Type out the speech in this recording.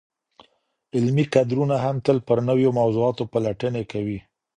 علمي کدرونه هم تل پر نویو موضوعاتو پلټني کوي.